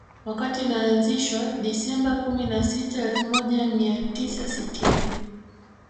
Wakati inaanzishwa Disemba kumi na sita elfu moja mia tisa sitini